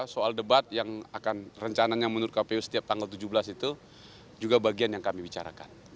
soal debat yang akan rencananya menurut kpu setiap tanggal tujuh belas itu juga bagian yang kami bicarakan